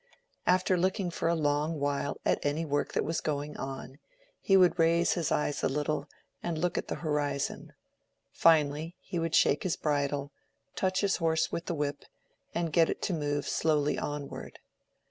After looking for a long while at any work that was going on, he would raise his eyes a little and look at the horizon; finally he would shake his bridle, touch his horse with the whip, and get it to move slowly onward.